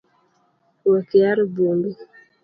Wekyaro buombi